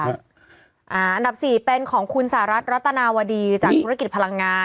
อันดับสี่เป็นของคุณสหรัฐรัตนาวดีจากธุรกิจพลังงาน